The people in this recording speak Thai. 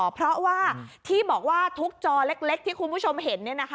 เพราะว่าที่บอกว่าทุกจอเล็กที่คุณผู้ชมเห็น